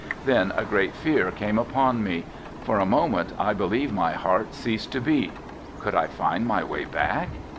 Then a great fear came upon me. For a moment I believe my heart ceased to beat. Could I find my way back?